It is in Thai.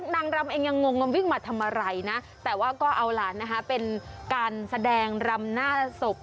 นางรำเองยังงงว่าวิ่งมาทำอะไรนะแต่ว่าก็เอาหลานนะคะเป็นการแสดงรำหน้าศพ